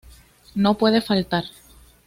No puede faltar.